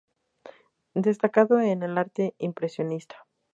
Destacado en el arte impresionista.